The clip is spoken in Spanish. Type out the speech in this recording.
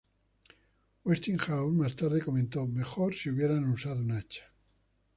Westinghouse más tarde comentó: ""Mejor si hubieran usado un hacha"".